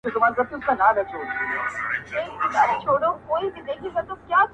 • بیا مُلا سو بیا هغه د سیند څپې سوې -